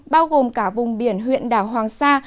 bao gồm cả vùng biển huyện đảo hoàng sa